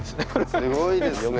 すごいですね。